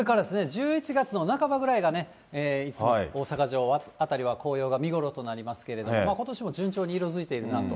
１１月の半ばぐらいがね、いつも、大阪城辺りは紅葉が見頃となりますけれども、ことしも順調に色づいているなと。